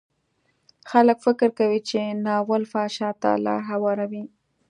خلک فکر کوي چې ناول فحشا ته لار هواروي.